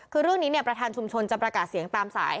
คือพระธานชุมชนจะประกาศเสียงตามสาย